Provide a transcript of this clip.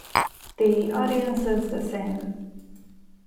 The audience is the same.